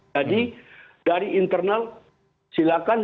jadi dari internal silakan